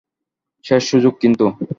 শেষ সুযোগ কিন্তু?